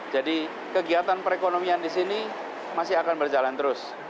jadi kegiatan perekonomian di sini masih akan berjalan terus